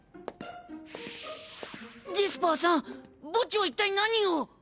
デスパーさんボッジはいったい何を。